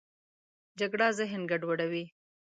جګړه ذهن ګډوډوي